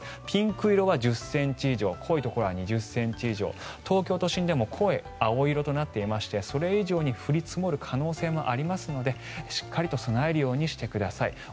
ピンク色は１０ｃｍ以上濃いところは２０ｃｍ以上東京都心でも濃い青色となっていましてそれ以上に降り積もる可能性もありますのでしっかりと備えるようにしてください。